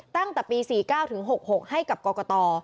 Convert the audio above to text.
ตั้งแต่ปี๔๙ถึง๖๖ให้กับกรกต